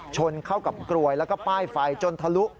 ชนเข้ากับกรวยแล้วก็ป้ายไฟจนทะลุ